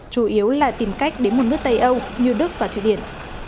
chủ yếu là tìm cách đến một nước tây âu như đức và thụy điển